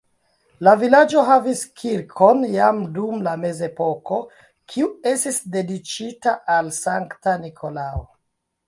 La vilaĝo havis kirkon jam dum la mezepoko, kiu estis dediĉita al Sankta Nikolao.